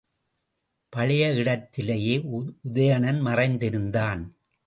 பழைய இடத்திலேயே உதயணன் மறைந்திருந்தான்.